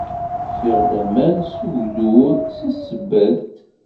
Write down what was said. Ffiɣ-d aman s ugdur si tsebbalt.